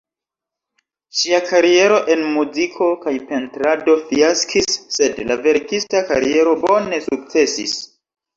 Ŝia kariero en muziko kaj pentrado fiaskis, sed la verkista kariero bone sukcesis.